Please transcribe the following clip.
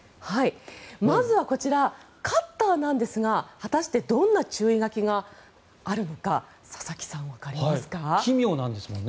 まずはこちらカッターなんですが果たしてどんな注意書きがあるのか奇妙なんですよね。